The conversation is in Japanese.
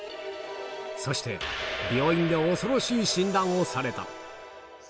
そして、病院で恐ろしい診断をさ